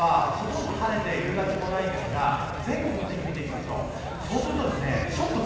関東の平野部はほとんど晴れて夕立もないんですが全国の天気見ていきましょう。